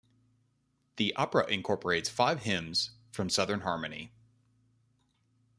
The opera incorporates five hymns from "Southern Harmony".